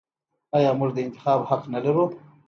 آیا موږ د انتخاب حق نلرو؟